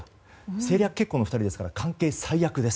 政略結婚の２人ですから関係最悪です。